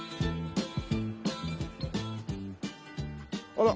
あら。